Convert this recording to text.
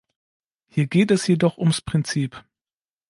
Hier geht es jedoch ums Prinzip.